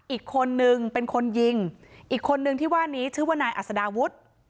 อีกคนนึงเป็นคนยิงอีกคนนึงที่ว่านี้ชื่อว่านายอัศดาวุฒิ